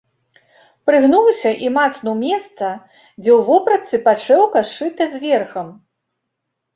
Прыгнуўся і мацнуў месца, дзе ў вопратцы падшэўка сшыта з верхам.